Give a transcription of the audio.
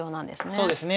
そうですね。